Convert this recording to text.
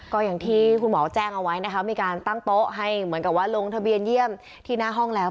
ก็อย่างที่คุณหมอแจ้งเอาไว้นะคะมีการตั้งโต๊ะให้เหมือนกับว่าลงทะเบียนเยี่ยมที่หน้าห้องแล้ว